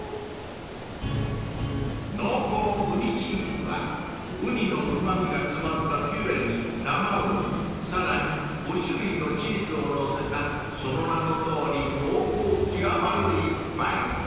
［濃厚うにチーズはウニのうま味が詰まったピューレに生ウニさらに５種類のチーズを載せたその名のとおり濃厚極まる一杯］